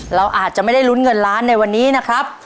เราอาจจะไม่ได้ลุ้นเงินล้านในวันนี้นะครับ